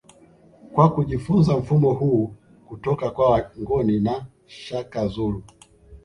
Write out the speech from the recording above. Kwa kujifunza mfumo huu kutoka kwa Wangoni na Shaka Zulu